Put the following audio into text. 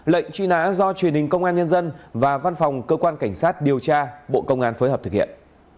lệnh truy nã do truyền hình công an nhân dân và văn phòng cơ quan cảnh sát điều tra bộ công an phối hợp thực hiện